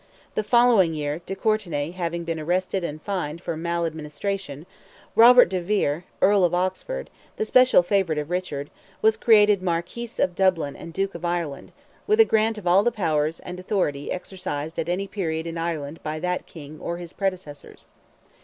The following year, de Courtenay having been arrested and fined for mal administration, Robert de Vere, Earl of Oxford, the special favourite of Richard, was created Marquis of Dublin and Duke of Ireland, with a grant of all the powers and authority exercised at any period in Ireland by that King or his predecessors.